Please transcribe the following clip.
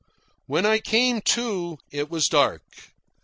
When I came to, it was dark.